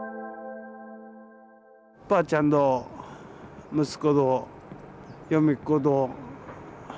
ばあちゃんと息子と嫁っこと孫４人。